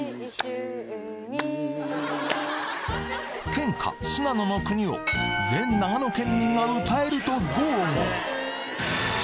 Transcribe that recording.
県歌『信濃の国』を全長野県民が歌えると豪語！